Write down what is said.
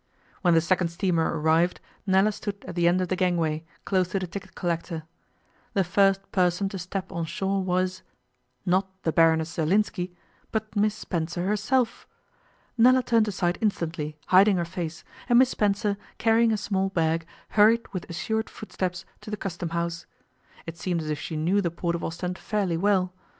When the second steamer arrived Nella stood at the end of the gangway, close to the ticket collector. The first person to step on shore was not the Baroness Zerlinski, but Miss Spencer herself! Nella turned aside instantly, hiding her face, and Miss Spencer, carrying a small bag, hurried with assured footsteps to the Custom House. It seemed as if she knew the port of Ostend fairly well.